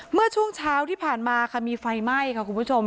เมื่อช่วงเช้าที่ผ่านมาค่ะมีไฟไหม้ค่ะคุณผู้ชม